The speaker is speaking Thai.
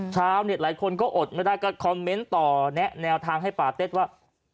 ชาวเน็ตหลายคนก็อดไม่ได้ก็คอมเมนต์ต่อแนะแนวทางให้ป่าเต็ดว่า